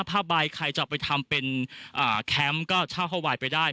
ผ้าใบใครจะไปทำเป็นแคมป์ก็เช่าห้องวายไปได้